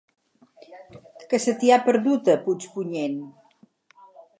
Què se t'hi ha perdut, a Puigpunyent?